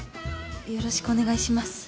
よろしくお願いします。